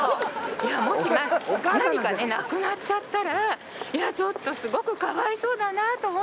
いやもし何かねなくなっちゃったらいやちょっとすごく可哀想だなと思ったので。